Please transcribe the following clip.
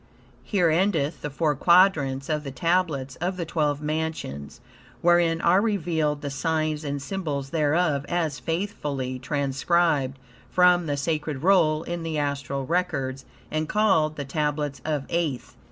Here endeth the four Quadrants of the Tablets of the Twelve Mansions, wherein are revealed the signs and symbols thereof, as faithfully transcribed from the sacred roll in the astral records and called "The Tablets of Aeth."